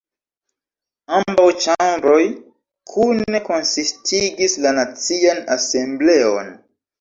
Ambaŭ ĉambroj kune konsistigis la Nacian Asembleon.